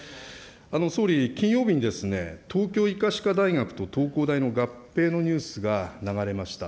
総理、金曜日に東京医科歯科大学と東工大の合併のニュースが流れました。